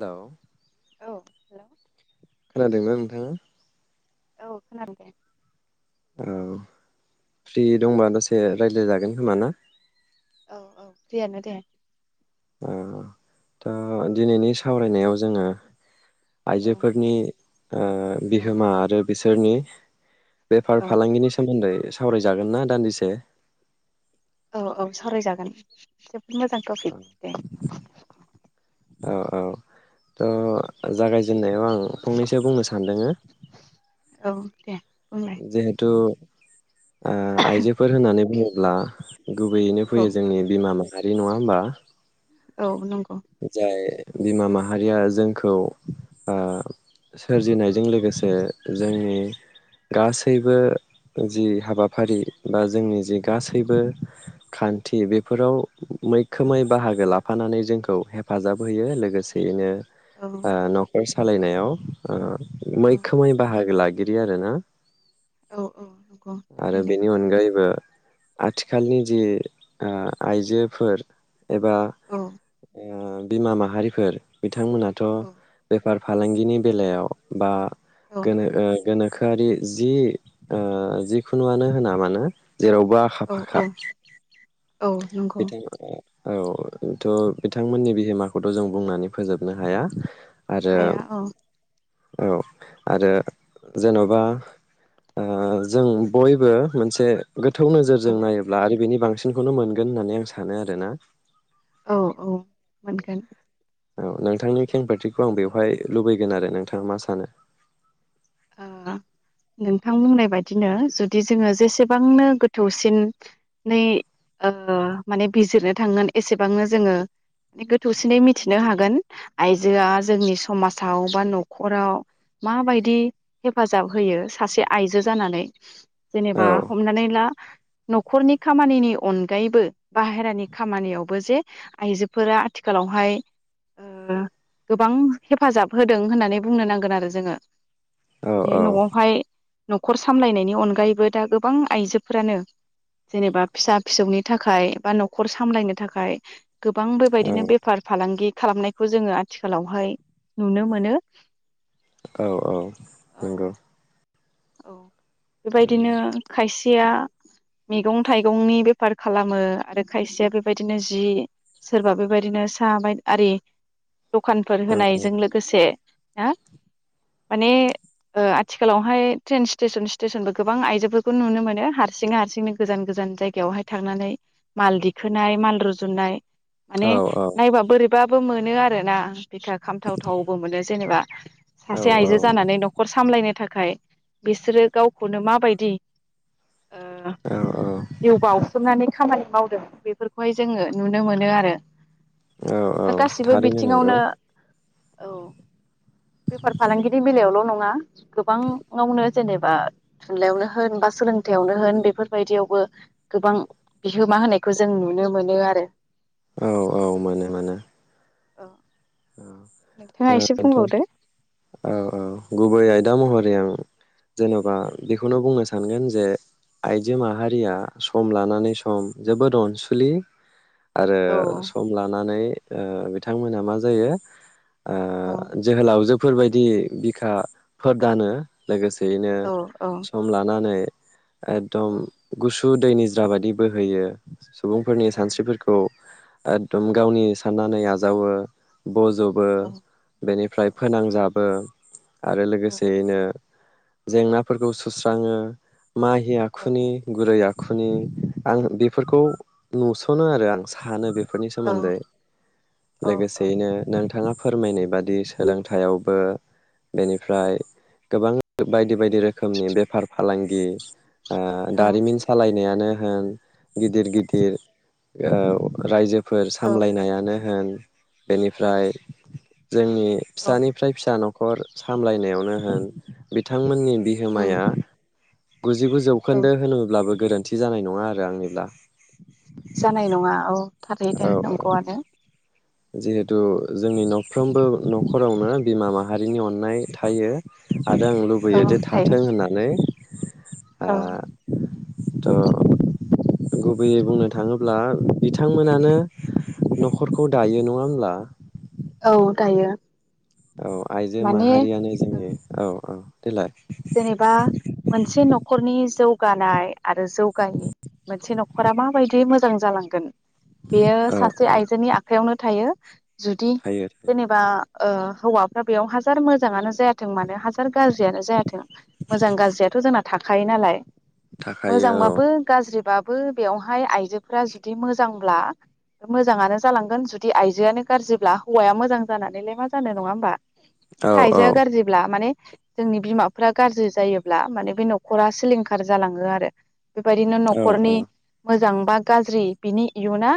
हेल' औ हेलौ खोनादोंना नों हो औ खोनादों दे। औ फ्रि औ दंबा दसे रायज्लायजागोन खोमा ना? औ औ फ्रियानो दे। ओ दा दिनैनि सावरायनायाव जोङो औ आइजोफोरनि ओ औ बिहोमा आरो बिसोरनि बेफार औ फालांगिनि सोमोन्दै सावरायजागोन ना दान्दिसे? औ औ सावरायजागोन। जि मोजां टपिक बे औ औ थ' जागाय जेननायाव आं फंनैसो बुंनो सानदोङो औ दे। बुंलाय जिहेतु ओ आइजोफोर होननानै बुङोब्ला गुबैयैनो औ फैयो जोंनि बिमा माहारि माहारि नङा होमबा? औ नंगौ। जाय बिमा माहारिया जोंखौ सोरजिनायजों ओ लोगोसे जोंनि गासैबो जि हाबाफारि बा जोंनि जि गासैबो खान्थि बेफोराव मैखोमै बाहागो लाफानानै जोंखौ हेफाजाब होयो लोगोसेयैनो औ ओ न'खर सालायनायाव ओ औ मैखोमै बाहागो ला बिदि आरो ना। औ औ। नंगौ आरो थारैनो बेनि अनगायैबो आथिखालनि जि ओ आइजोफोर एबा औ बिमा ओ माहारिफोर बिथांमोनाथ' औ बे बेफार फालांगिनि बेलायाव बा औ गोनो ओ गोनोखोआरि जि ओ जिखुनुआनो होना मानो जेरावबो आखा औ औ फाखा। औ नंगौ। बिथां औ थ' बिथांमोननि बिहोमाखौथ' जों बुंनानै फोजोबनो हाया। आरो हाया औ। औ आरो जेन'बा जों ओ बयबो मोनसे गोथौ औ नोजोरजों नायोब्ला आरो बेनि बां सिनखौनो मोन गोन होननानै आं सानो आरोना। औ औ मोनगोन। औ नोंथांनि खेंफोरथिखौ आं बेवहाय लुबैगोन आरो नोंथाङा मा सानो? ओ नोंथां बुंनाय बायदिनो जुदि जोङो जेसेबांनो गोथौसिनै माने बिजिरनो थांगोन एसेबांनो जोङो म गोथौसिनै मिथिनो हागोन आइजोआ जोंनि समाजाव बा न'खराव माबायदि हेफाजाब होयो सासे आइजो जानानै औ जेनेबा हमनानै ला न'खरनि खामानिनि अनगायैबो बाहेरानि खामानियावबो जे आइजोफोरा आथिखालावहाय ओ गोबां हेफाजाब होदों होननानै बुंनो नांगोन आरो जोङो। औ ओरैहाय औ न'आवहाय न'खर सामलायनायनि अनगायैबो दा गोबां आइजोफोरानो जेनेबा फिसा फिसौनि थाखाय बा न'खर सामलायनो थाखाय गोबां औ बेबायदिनो बेफार फालांगि खालामनायखौ जोङो आथिखालावहाय नुनो मोनो। औ औ। औ। औ बेबायदिनो खायसेया मैगं थाइगंनि बेफार खालामो आरो खायसेया बेबायदिनो जि सोरबा बेबायदिनो साहा बाय आरि दखानफोर औ होनायजों लोगोसे माने ओ आथिखालावहाय ट्रेन स्टेसन स्टेसनबो गोबां आइजोफोरखौ नुनो मोनो हारसिङै हारसिंनो गोजान गोजान जायगायावहाय थांनानै माल दिखोनाय माल रुजुननाय। औ माने नायबा बोरै बाबो मोनो आरोना बिखा खामथाव थावबो मोनो जेनेबा सासे औ आइजो जानानै न'खर सामलायनो थाखाय बिसोरो गावखौनो माबायदि ओ औ जिउ बावसोमनानै खामानि मावदों बेफोरखौहाय जोङो नुनो मोनो आरो। औ औ गासिबो थारैनो नंगौ बिथिङावनो औ बेफार फालांगिनि बेलायावल' नङा गोबाङावनो। जेनेबा थुनलाइयावनो होन बा सोलोंथायावनो होन बेफोरबायदियावबो गोबां बिहोमा होनायखौ जों नुनो मोनो आरो औ औ मोनो मोनो अ। औ औ गुबै आय दा महरै आं जेन'बा बेखौनो बुंनो सानगोन जे आइजो माहारिया सम लानानै सम जोबोद अनसुलि। आरो औ सम लानानै ओ बिथांमोना मा जायो? ओ औ जोहोलावजो फोरबायदि बिखा फोरदानो लोगोसे दिनो औ औ सम लानानै एकदम गुस उ दै निज्रा बायदि बोहैयो। सुबुंफोरनि औ सानस्रिफोरखौ एकदम औ गावनि साननानै आ जावो। बज'बो। औ बेनिफ्राय फोनांजाब बो आरो लोगोसेयैनो जेंनाफोरखौ सुस्राङो माहि औ आखुनि गुरै आ- खुनि आं बेफोरखौ नुसनो आरो आं सानो बे- फोरनि सोमोन्दै लोगोसेयैनो नों- फोरमायनाय बादि सोलोंथायावबो बेनिफ्राय गोबां बाय- दि -बायदि रोखोमनि बेफार फालांगि आ औ दारिमिन सालायनायानो ओं गिदिर-गिदिर अ रायजो- फोर औ सामलायनायानो होन बेनिफ्राय जोंनि औ फिसानिफ्राय फिसा न- खर सामलायनायावनो होन बिथांमोननि उम बिहोमाया गुजिगु औ जौखोन्दो होनोब्लाबो गोरोन्थि जानाय नङा आरो आंनिब्ला जानाय नङा औ औ थारैनो नंगौ आनो जिहेथु जोंनि नफ्रोमबो नखरावनो बिमा माहारिनि अननाय थायो आरो आं औ लुबैयो जे थायो थाथों होननानै ओ औ द--््् गुबैयै बुंनो थाङोब्ला बिथांमोनानो नखरखौ दायो नङा होमब्ला औ दायो औ आइजो माने माहारियानो ओं जोंनि औ औ देलाय जेनेबा मोनसे नखरनि जौ गानाय आरो जौगायो मोनसे न खरा माबायदि मोजां जालांगोन बेयो औ सासे औ आइजोनि आखायावनो थायो जुदि थायो थायो जेनेबा ओ हौवाफ्रा बेयाव हाजार मोजाङानो जायाथों मानो हाजार गाज्रियानो जाया थों मोजां गाज्रियाथ जोंना थाखायो नालाय थाखायो मोजांबाबो गाज्रिबा बो बेवहाय आइजोफ्रा जुदि मोजांब्ला मोजाङानो जालांगोन जुदि आइजोआनो गाज्रिब्ला हौवाया मोजां जानानैलाय मा जानो नङा होमबा? बे औ औ आइजोआ गाज्रिब्ला माने जोंनि बिमा फ्रा गाज्रि जायोब्ला माने बे नखरा सिलिंखार जालाङो आरो। बेबायदिनो औ नखरनि औ मोजां बा गाज्रि बिनि इयुना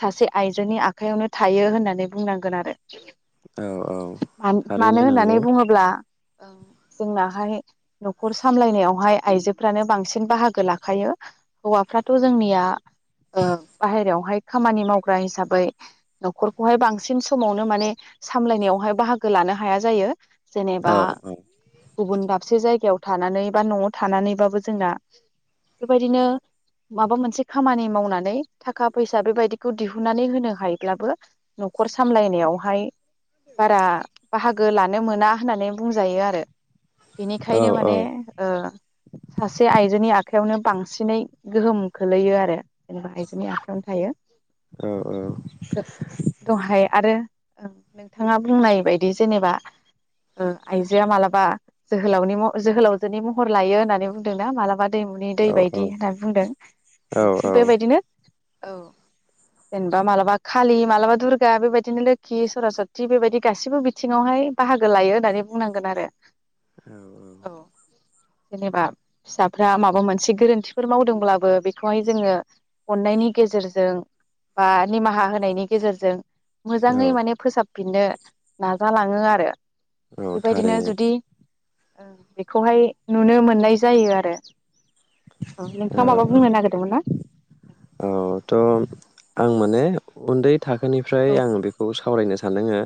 सासे आइजोनि आखयावनो थायो होननानै बुंनांगोन आरो। औ औ थारैनो मान-मानो होननानै नंगौ बुङोब्ला ओ जोंना हाय नखर सामलायनायावहाय आइजोफ्रानो बांसिन बाहागो लाखायो हौवाफ्राथ जोंनिया ओ बाहेरायावहाय खामानि मावग्रा हिसाबै नखरखौहाय बांसिन समावनो माने सामलायनायावहाय बाहागो लानो हाया जायो। जेनेबा औ औ गुबुन दाबसे जायगायाव थानानै बा नआव थानानैबाबो जोंना बेबायदिनो माबा मोनसे खामानि मावनानै थाखा फैसा बेबायदिखौ दिहुननानै होनो हायोब्लाबो नखर सामलायनायावहाय बारा बाहागो लानो मोना होननानै बुंजायो आरो। औ बेनिखायनो माने ओ सासे आइजोनि आखा आखयावनो बांसिनै गोहोम खोलैयो आरो जेनेबा आइजोनि आखायावनो थायो। औ दहाय आरो नोंथाङा बुंनाय बायदि जेनेबा आइजोआ मालाबा जोहोलावनि जोहोलावजोनि महर लायो होननानै बुंदोंना मालाबा दैमुनि दै औ बायदि होननानै बुंदों औ थिग बेबायदिनो- औ जेनेबा मालाबा खालि मालाबा दुर्गा बेबायदिनो लोखि सरासथि बेबायदि गासैबो बिथिङावहाय बाहागो लायो होननानै बुंनांगोन आरो। औ औ। जेनेबा फिसाफ्रा माबा मोनसे गोरोन्थिफोर मावदोंब्लाबो बेखौहाय जोङो अन्नायनि गेजेरजों बा निमाहा होनायनि गेजेरजों मोजाङै औ माने फोसाब बिदिनो नाजालाङो आरो। औ बेबायदिनो थारैनो जुदि बेखौहाय नुनो मोननाय जायो आरो। नोंथाङा औ माबा बुंनो नागिरदोंमोन ना? अ थ' आं माने उन्दै थाखोनिफ्राय औ आङ बेखौ सावरायनो सानदोंङो।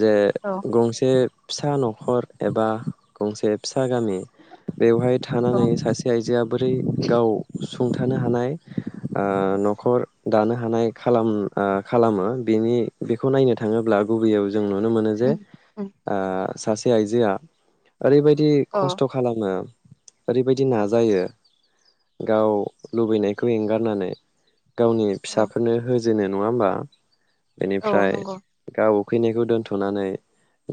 जे औ गंसे फिसा न'खर एबा गंसे फि सा गामि बेवहाय थानानै औ सासे आइजोआ बोरै गाव सुंथानो हानाय नखर दानो हानाय खालामो बेनि बेखौ नायनो थाङोब्ला गुबैयाव जों नुनो मोनो जे उम उम ओ सासे आइजोआ ओरैबायदि औ खस्थ' खालामो ओरैबायदि औ नाजायो गाव लुबैनाय खौ एंगारनानै गावनि औ औ फिसाफोरनो हो जेने नङा होमबा औ बेनिफ्राय नंगौ गाव उखैनायखौ दोन्थ'नानै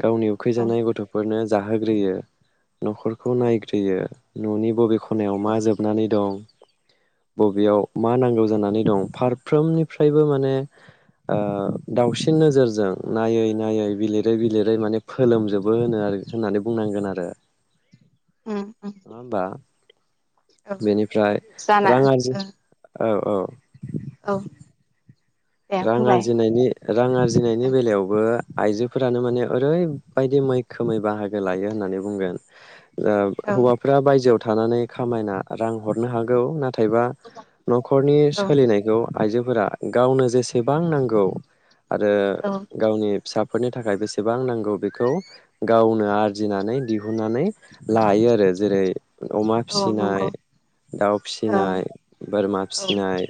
गावनि औ उखैजानाय गथ'फोरनो जाहोग्रोयो न'खरखौ औ नायग्रोयो न'नि बबेख खनायाव औ मा जोबनानै दं बबेयाव मा नांगौ जानानै दं फारफ्रोमनिफ्रायबो माने ओ दावसिन नोजोरजों नायै नायै बिलिरै बिलिरै माने फोलोमजोबो होनो आरो होननानै बुंनांगोन आरो उम उम नङा होमबा औ बेनिफ्राय जाना रां आरजि ओ औ औ औ दे रां बुंलाय आरजिनायनि रां आरजिनायनि औ बेलायावबो आइजोफोरानो माने ओरैबायदि मैखोमै बाहागो लायो होननानै बुंगोन ओ औ हौवाफ्रा बायजोआव थानानै खामायना रां हरनो हागौ ना थायबा न'खरनि सोलिनायखौ आइजोफोरा गावनो जेसे सेबां नांगौ आरो औ गावनि फिसा फोरनि थाखाय बेसेबां नांगौ बेखौ गावनो आरजिनानै दिहुननानै लायो आरो जेरै- अमा औ नंगौ फिसिनाय दाउ ओ फिसिनाय बोरमा औ औ फिसिनाय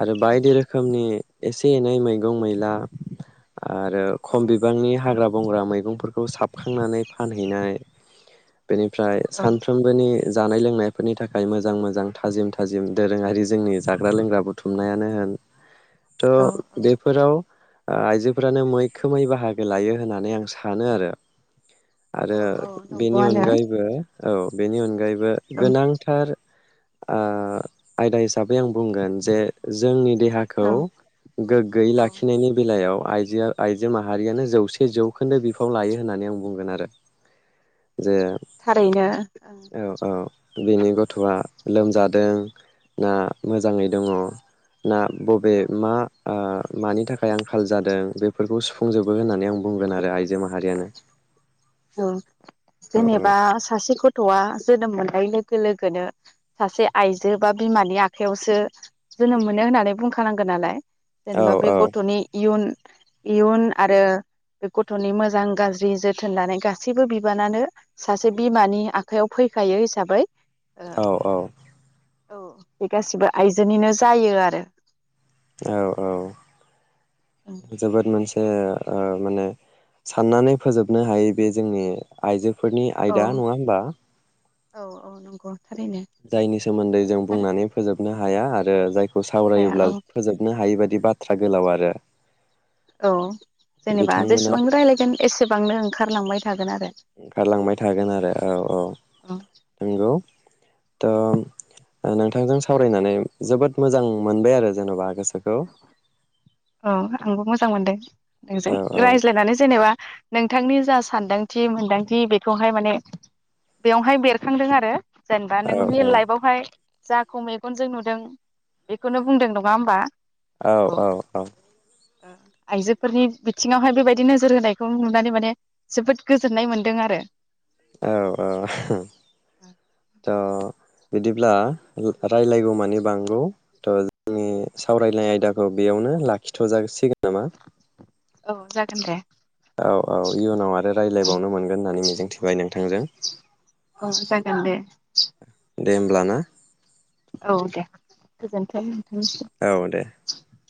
आरो औ बायदि रोखोमनि एसे एनै मैगं मैला आरो खम औ बिबांनि हाग्रा बंग्रा मैगंफोरखौ साबखांनानै फानहैनाय बेनिफ्राय सानफ्रोमबोनि जानाय लोंनायफोरनि थाखाय मोजां मोजां थाजिम थाजिम दोरोङारि जोंनि जाग्रा लोंग्रा बुथुमनायानो होन औ औ थ' बेफोराव आइजोफ्रानो मैखोमै बाहागो लायो होननानै आं सानो आरो। आरो औ औ बेनि नंगौआनो अनगायैबो औ बेनि अनगायै बो औ गोनांथार ओ आयदा हिसाबै आं बुंगोन जे जोंनि देहाखौ औ गोग्गोयै औ लाखिनायनि बेला याव आइजोआ आइजो माहारियानो जौसे जौखोन्दो बिफाव लायो होननानै आं बुंगोन आरो। जे थारैनो औ औ बिनि गथ'आ लोमजादों ना मोजाङै दङ ना बबे औ मा ओ मानि थाखाय आंखाल जादों बेफोरखौ सुफुंजोबो होननानै आं बुंगोन आरो आइजो माहारियानो औ औ जेनेबा सासे गथ'आ जोनोम मोननाय लोगो लोगोनो सासे आइजो बा बिमानि आखायावसो जोनोम मोनो होननानै बुंखानांगोन नालाय औ जेनेबा बे औ गथ'नि इयुन इयुन आरो बे गथ गथ'नि मोजां गाज्रि जोथोन लानाय गासैबो बिबानानो सासे बिमानि आखयाव फैखायो हिसाबै औ औ। औ बे गासिबो आइजोनिनो जायो आरो। औ औ जोबोद मोनसे ओ ओ माने साननानै फोजोबनो हायै बे जोंनि आइजो फोरनि औ आयदा नङा होनबा? औ औ नंगौ। थारैनो जायनि सोमोन्दै जों बुंनानै फोजोब नो हाया आरो जायख खौ हाया सावरायोब्ला औ फोजोबनो हायि बायदि बाथ थ्रा गोलाव आरो औ जेनेबा बिथांमोना जेसेबां रायलायगोन एसेबांनो ओंखार ओंखारलांबाय थागोन आरो ओंखारलांबाय थागोन आरो औ औ औ नंगौ। थ' नोंथांजों सावरायनानै जोबोद मोजां मोनबाय आरो जेनबा गोसोखौ। औ आंबो मोजां मोनदों। नोंजों औ रायज्लायनानै जेनेबा नोंथांनि जा सानदांथि मोनदांथि बेखौहाय माने बेवहाय बेरखांदों आरो। जेनेबा औ नोंनि रियेल लाइफआवहाय जाखौ मेगनजों नुदों बेखौनो बुंदों नङा होमबा? औ औ औ आइजोफोरनि बिथिङावहाय बेबायदि नोजोर होनायखौ नुनानै माने जोबोद गोजोननाय मोन्दों आरो। औ औ त बिदिब्ला रायज्लायगौ मानिे बांगौ थ जोंनि सावरायनाय आयदाखौ बेयावनो लाखिथजासिगोन। औ जागोन दे। औ औ इयुनाव आरो रायज्लायबावनो मोनगोन होननानै मिजिंथिबाय नोंथांजों। औ जागोन दे दे होनोमबब्ला ना? औ दे गोजोनथों। औ दे [unintelligible]